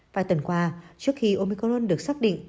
vài tuần qua trước khi omicron được xác định